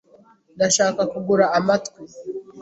Ndashaka kugura amatwi.